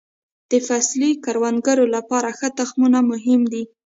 د فصلي کروندو لپاره ښه تخمونه مهم دي.